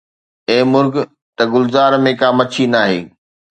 اي مرغ! ته گلزار ۾ ڪا مڇي ناهي